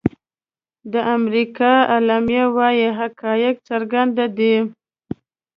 د امریکا اعلامیه وايي حقایق څرګند دي.